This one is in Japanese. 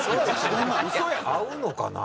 合うのかな？